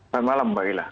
selamat malam mbak ila